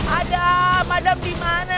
adam adam dimana nak